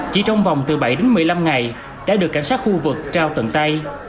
chỉ trong vòng từ bảy đến một mươi năm ngày đã được cảnh sát khu vực trao tận tay